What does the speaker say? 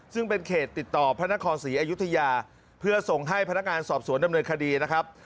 ซึ่งเป็นเขตติดต่อพระนครศรีอยุธยาเพื่อส่งให้พนักงานสอบสวนดำเนินคดีนะครับ